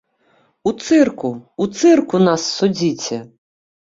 У цырку, у цырку нас судзіце!